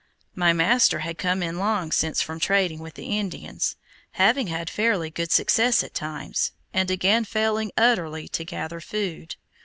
My master had come in long since from trading with the Indians, having had fairly good success at times, and again failing utterly to gather food.